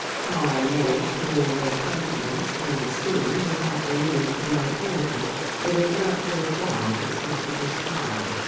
How I managed to gain their confidence and esteem, without alluding to my parentage, it is not worth while to stop to describe.